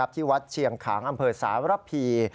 ที่วัดเชียงขางอำเภอสารพี